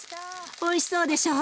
おいしそうでしょう？